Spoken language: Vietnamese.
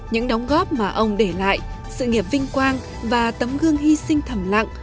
những đóng góp mà ông để lại sự nghiệp vinh quang và tấm gương hy sinh thầm lặng